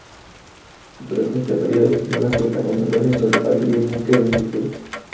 Durante este período, existía una cierta controversia sobre cual sería el buque del futuro.